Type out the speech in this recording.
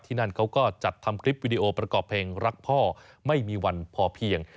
นั่นเขาก็จัดทำคลิปวิดีโอประกอบเพลงรักพ่อไม่มีวันพอเพียง